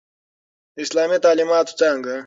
د اسلامی تعليماتو څانګه